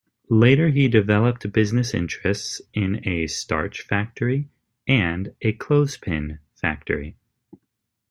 Later he developed business interests in a starch factory and a clothespin factory.